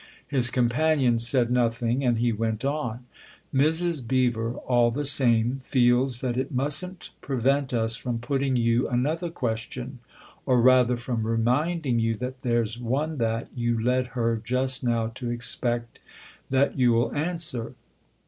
His companion said nothing, and he went on :" Mrs. Beever, all the same, feels that it mustn't prevent us from putting you another question, or rather from reminding you that there's one that you led her just now to expect that you'll answer."